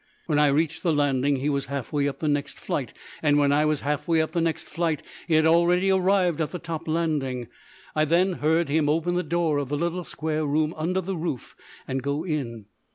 When I reached the landing he was half way up the next flight, and when I was half way up the next flight he had already arrived at the top landing. I then heard him open the door of the little square room under the roof and go in.